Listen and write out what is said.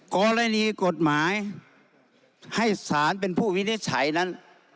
กรณีกฎหมายให้สารเป็นผู้วินิจฉัยนั้น